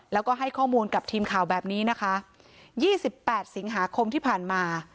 แล้วก็ให้ข้อมูลกับทีมข่าวแบบนี้นะคะยี่สิบแปดสิงหาคมที่ผ่านมา